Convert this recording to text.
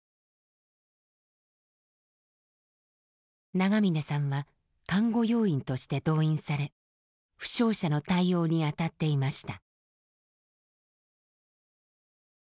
長嶺さんは看護要員として動員され負傷者の対応に当たっていました。